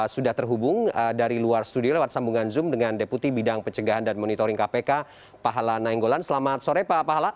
sudah terhubung dari luar studio lewat sambungan zoom dengan deputi bidang pencegahan dan monitoring kpk pahala nainggolan selamat sore pak hala